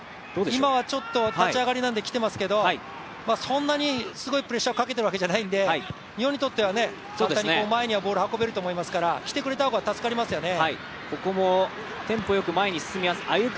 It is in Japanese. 今はちょっと立ち上がりなんで、来てますけれどもそんなにすごいプレッシャーをかけているわけではないので日本にとっては簡単に前にボール運べると思いますから来てくれた方が助かりますよね。